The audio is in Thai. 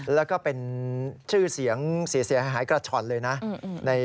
แล้วก็เป็นชื่อเสียงเสียหายกระช่อนเลยนะ